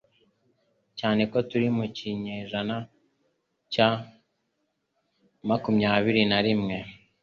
Cyane ko turi mu kinyejana cya makumyabiri narimwe